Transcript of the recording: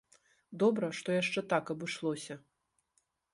Добра, што яшчэ так абышлося.